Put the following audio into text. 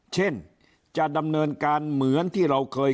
เช่นจะดำเนินการเหมือนที่เราเคย